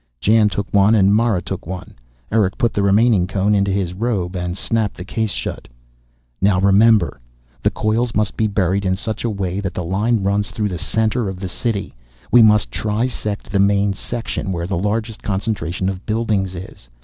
Jan took one and Mara took one. Erick put the remaining cone into his robe and snapped the case shut again. "Now remember, the coils must be buried in such a way that the line runs through the center of the City. We must trisect the main section, where the largest concentration of buildings is.